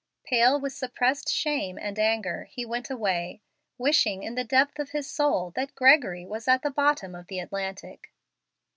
Pale with suppressed shame and anger, he went away, wishing in the depth of his soul that Gregory was at the bottom of the Atlantic.